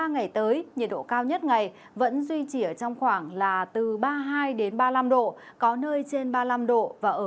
ngày tới nhiệt độ cao nhất ngày vẫn duy trì ở trong khoảng là từ ba mươi hai đến ba mươi năm độ có nơi trên ba mươi năm độ và ở